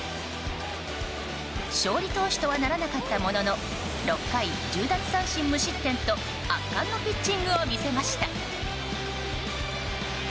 勝利投手とはならなかったものの６回１０奪三振無失点と圧巻のピッチングを見せました。